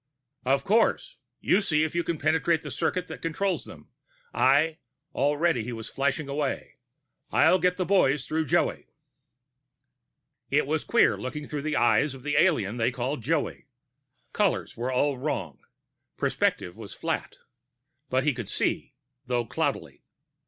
"Of course. You see if you can penetrate the circuit that controls them. I " already he was flashing away "I'll get to the boys through Joey." It was queer, looking through the eyes of the alien they called Joey; colors were all wrong, perspective was flat. But he could see, though cloudily.